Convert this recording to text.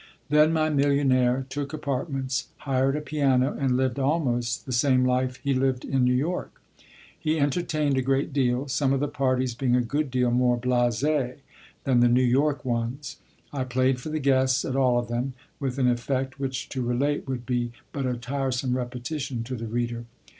Then my millionaire took apartments, hired a piano, and lived almost the same life he lived in New York. He entertained a great deal, some of the parties being a good deal more blasé than the New York ones. I played for the guests at all of them with an effect which to relate would be but a tiresome repetition to the reader.